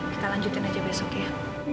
kita lanjutin aja besok ya